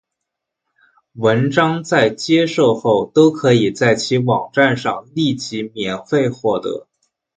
文章在接受后都可以在其网站上立即免费获得。